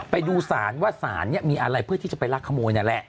ไปดูสารว่าสารเนี่ยมีอะไรเพื่อที่จะไปรักขโมยนั่นแหละ